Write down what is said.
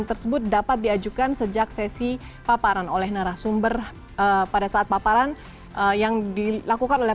tersebut dapat diajukan sejak sesi paparan oleh narasumber pada saat paparan yang dilakukan oleh